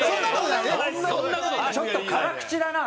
ちょっと辛口だな！